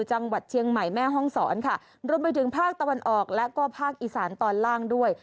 จังหวัดเชียงใหม่แม่ห้องศรค่ะรวมไปถึงภาคตะวันออกและก็ภาคอีสานตอนล่างด้วย